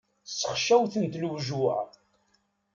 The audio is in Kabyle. Sexcawten-t lewjuɛ.